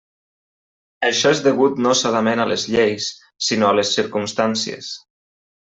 Això és degut no solament a les lleis, sinó a les circumstàncies.